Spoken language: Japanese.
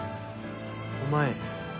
お前